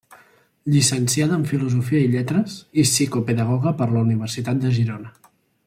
Llicenciada en Filosofia i Lletres i psicopedagoga per la Universitat de Girona.